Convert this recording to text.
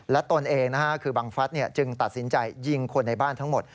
ตนเองคือบังฟัสจึงตัดสินใจยิงคนในบ้านทั้งหมด